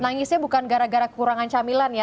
nangisnya bukan gara gara kekurangan camilan ya